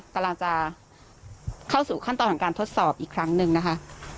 กำลังจะเข้าสู่ขั้นตอนของการทดสอบอีกครั้งหนึ่งนะคะ